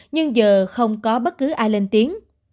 nhưng giờ không có bất cứ ai lên tiếng